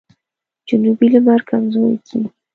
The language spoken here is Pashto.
جنوبي لمر کمزوری کیږي.